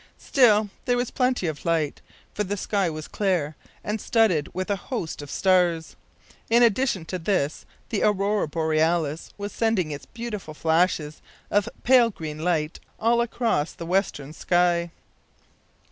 Still there was plenty of light, for the sky was clear, and studded with a host of stars. In addition to this the Aurora Borealis was sending its beautiful flashes of pale green light all across the western sky.